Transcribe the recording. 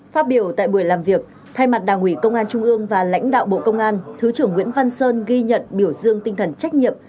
phát biểu tại buổi làm việc thay mặt đảng ủy công an trung ương và lãnh đạo bộ công an thứ trưởng nguyễn văn sơn ghi nhận biểu dương tinh thần trách nhiệm